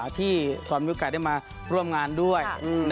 ที่สอนมีโอกาสได้มาร่วมงานด้วย